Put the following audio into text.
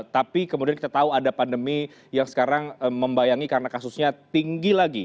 tapi kemudian kita tahu ada pandemi yang sekarang membayangi karena kasusnya tinggi lagi